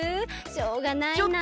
しょうがないな。